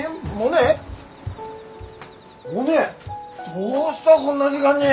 どうしたこんな時間に。